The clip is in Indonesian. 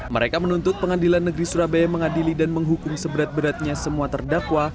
mereka menuntut pengadilan negeri surabaya mengadili dan menghukum seberat beratnya semua terdakwa